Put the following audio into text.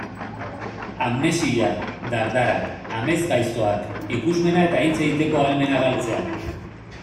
Amnesia, dardarak, amesgaiztoak, ikusmena eta hitz egiteko ahalmena galtzea...